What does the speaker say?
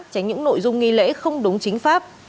tránh những nội dung nghi lễ không đúng chính pháp